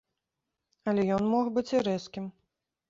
Але ён мог быць і рэзкім.